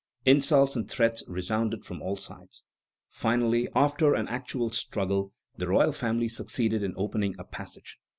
Insults and threats resounded from all sides. Finally, after an actual struggle, the royal family succeeded in opening a passage.